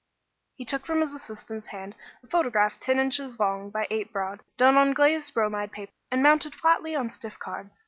He took from his assistant's hand a photograph ten inches long by eight broad, done on glazed bromide paper and mounted flatly on stiff card.